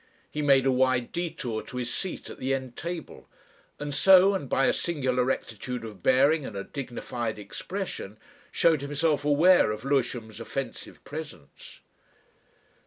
He made a wide detour to his seat at the end table, and so, and by a singular rectitude of bearing and a dignified expression, showed himself aware of Lewisham's offensive presence.